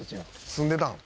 「住んでたん？